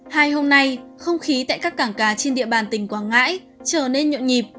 hai hôm nay không khí tại các cảng cá trên địa bàn tỉnh quảng ngãi trở nên nhộn nhịp